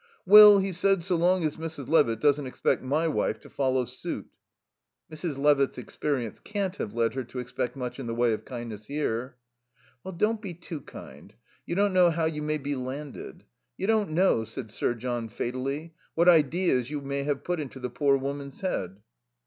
"Well," he said, "so long as Mrs. Levitt doesn't expect my wife to follow suit." "Mrs. Levitt's experience can't have led her to expect much in the way of kindness here." "Well, don't be too kind. You don't know how you may be landed. You don't know," said Sir John fatally, "what ideas you may have put into the poor woman's head."